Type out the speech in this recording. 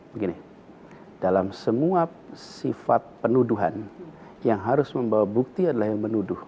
begini dalam semua sifat penuduhan yang harus membawa bukti adalah yang menuduh